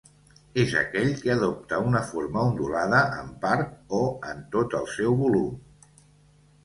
És aquell que adopta una forma ondulada en part o en tot el seu volum.